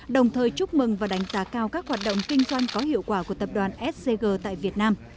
đồng thời chúc mừng và đánh giá cao các hoạt động kinh doanh có hiệu quả của tập đoàn scg tại việt nam